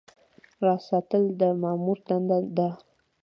راز ساتل د مامور دنده ده